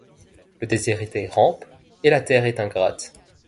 Le déshérité rampe, et la terre est ingrate ;